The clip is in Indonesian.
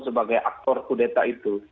sebagai aktor kudeta itu